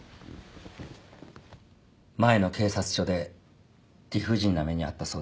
前の警察署で理不尽な目に遭ったそうですね。